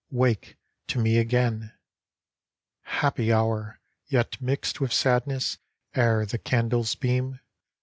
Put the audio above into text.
Wake to me again ! Happy hour ! yet mix'd with sadness, Ere the candles beam.